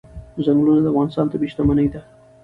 ځنګلونه د افغانستان طبعي شتمني ده.